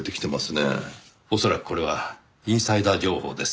恐らくこれはインサイダー情報です。